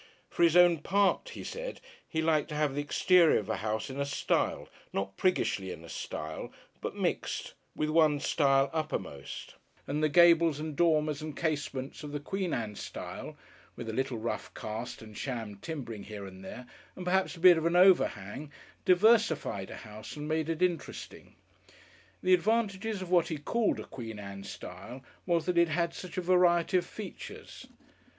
For his own part, he said, he liked to have the exterior of a house in a style, not priggishly in a style, but mixed, with one style uppermost, and the gables and dormers and casements of the Queen Anne style, with a little rough cast and sham timbering here and there and perhaps a bit of an overhang diversified a house and made it interesting. The advantages of what he called a Queen Anne style was that it had such a variety of features....